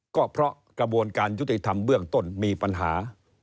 ก็เพราะกระบวนการยุติธรรมเบื้องต้นมีปัญหา